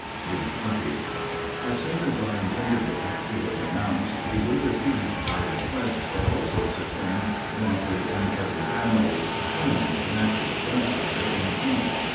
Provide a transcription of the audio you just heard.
June 20. As soon as our intended departure was announced, we were besieged by requests for all sorts of things wanted in every family pins, matches, gunpowder, and ink.